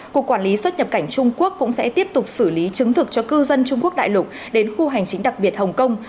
cục quản lý xuất nhập cảnh trung quốc cũng sẽ tiếp tục xử lý chứng thực cho cư dân trung quốc đại lục đến khu hành chính đặc biệt hồng kông